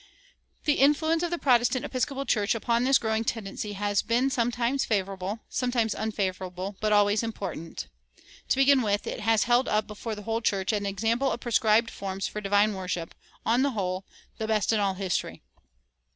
The influence of the Protestant Episcopal Church upon this growing tendency has been sometimes favorable, sometimes unfavorable, but always important. To begin with, it has held up before the whole church an example of prescribed forms for divine worship, on the whole, the best in all history.